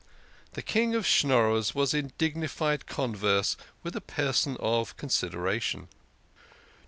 The King of Schnorrers was in dignified converse with a person of consideration.